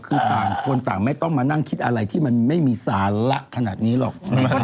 คือต่างคนต่างไม่ต้องมานั่งคิดอะไรที่มันไม่มีสาระขนาดนี้หรอก